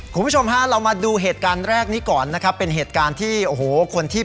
คุณผู้ชมค่ะเรามาดูเหตุการณ์แรกนี้ก่อนนะครับเป็นเหตุการณ์ที่